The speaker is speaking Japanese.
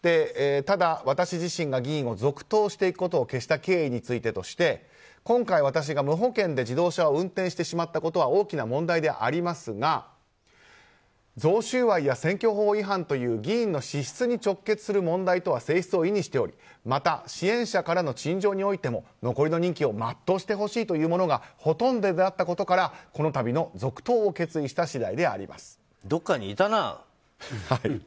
ただ、私自身が議員を続投していくことを決した経緯についてとして今回、私が無保険で自動車を運転してしまったことは大きな問題ではありますが贈収賄や選挙法違反という議員の資質に直結する問題とは性質を異にしておりまた、支援者からの陳情においても残りの任期を全うしてほしいというものがほとんどであったことからこの度の続投をどっかにいたな。